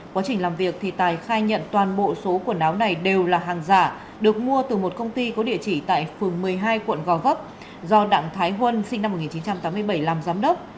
quá trình làm việc thì tài khai nhận toàn bộ số quần áo này đều là hàng giả được mua từ một công ty có địa chỉ tại phường một mươi hai quận gò vấp do đặng thái huân sinh năm một nghìn chín trăm tám mươi bảy làm giám đốc